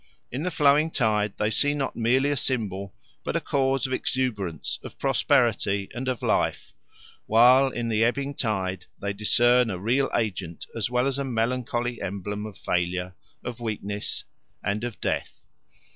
In the flowing tide they see not merely a symbol, but a cause of exuberance, of prosperity, and of life, while in the ebbing tide they discern a real agent as well as a melancholy emblem of failure, of weakness, and of death.